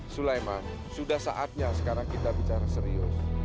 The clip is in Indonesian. sulaiman sudah saatnya sekarang kita bicara serius